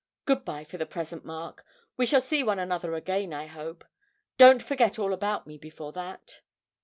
Good bye for the present, Mark. We shall see one another again, I hope. Don't forget all about me before that.'